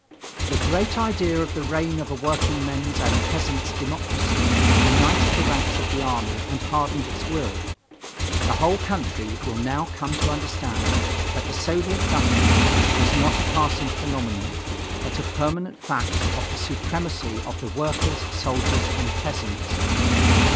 "The great idea of the reign of a workingmen's and peasants' democracy united the ranks of the army and hardened its will. The whole country will now come to understand that the Soviet government is not a passing phenomenon, but a permanent fact of the supremacy of the workers, soldiers and peasants.